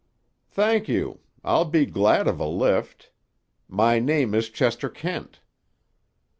"Thank you. I'll be glad of a lift. My name is Chester Kent."